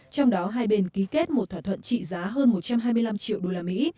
trong đó hai bên ký kết một thỏa thuận trị giá hơn một trăm hai mươi năm triệu đô la mỹ